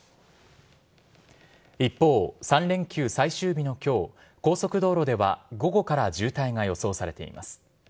一方、３連休最終日のきょう、高速道路では午後から渋滞が予想されています。